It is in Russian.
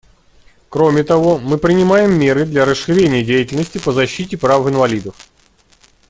Кроме того, мы принимаем меры для расширения деятельности по защите прав инвалидов.